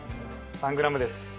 ３グラムです。